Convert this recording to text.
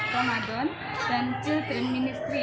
pondok ramadan dan children ministry